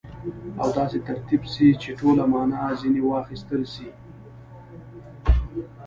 او داسي ترتیب سي، چي ټوله مانا ځني واخستل سي.